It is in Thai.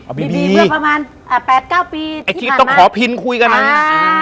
อ่าบีบีเมื่อประมาณอ่าแปดเก้าปีไอ้คิดต้องขอพิ้นคุยกันนั้นอ่า